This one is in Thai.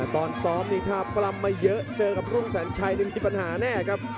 ตอนซ้อมนี่ครับกลำมาเยอะเจอกับลุงสัญชัยถึงที่ปัญหาแน่ครับ